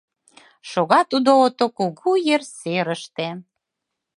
Шога тудо ото кугу ер серыште.